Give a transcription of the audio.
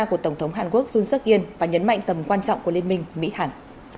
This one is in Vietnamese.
của tổng thống hàn quốc jun seok in và nhấn mạnh tầm quan trọng của liên minh mỹ hẳn